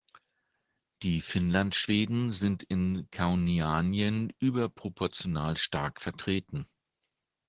Die Finnlandschweden sind in Kauniainen überproportional stark vertreten.